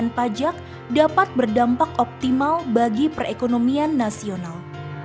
untuk menjaga keuntungan pajak dapat berdampak optimal bagi perekonomian nasional